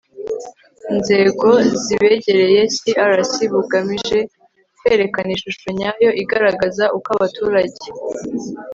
nzego zibegereye CRC bugamije kwerekana ishusho nyayo igaragaza uko abaturage